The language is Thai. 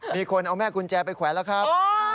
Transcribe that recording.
มีคนเอาแม่กุญแจไปแขวนแล้วครับ